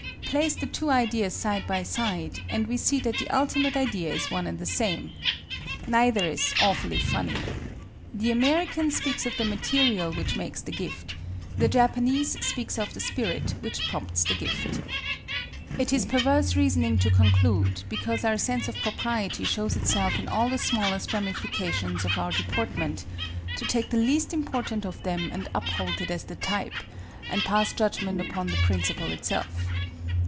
Place the two ideas side by side; and we see that the ultimate idea is one and the same. Neither is "awfully funny." The American speaks of the material which makes the gift; the Japanese speaks of the spirit which prompts the gift. It is perverse reasoning to conclude, because our sense of propriety shows itself in all the smallest ramifications of our deportment, to take the least important of them and uphold it as the type, and pass judgment upon the principle itself.